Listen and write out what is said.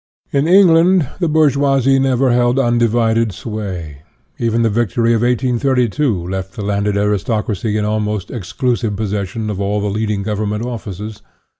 An England, the bourgeoisie never held undi vided sway./ Even the victory of 1832 left the landed aristocracy in almost exclusive possession of all the leading Government offices.